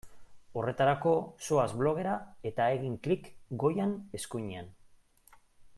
Horretarako zoaz blogera eta egin klik goian eskuinean.